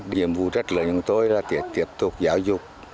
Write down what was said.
điểm vụ rất lớn cho chúng tôi là tiếp tục giáo dục